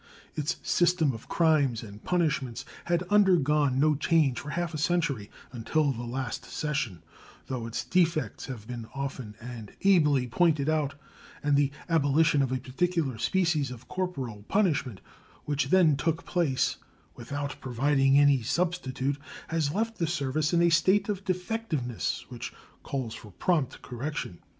Its system of crimes and punishments had undergone no change for half a century until the last session, though its defects have been often and ably pointed out; and the abolition of a particular species of corporal punishment, which then took place, without providing any substitute, has left the service in a state of defectiveness which calls for prompt correction.